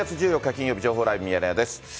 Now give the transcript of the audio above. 金曜日、情報ライブミヤネ屋です。